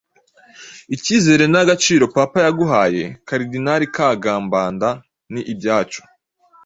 Ikizere n’agaciro Papa yaguhaye Karidinali Kagambanda ni ibyacu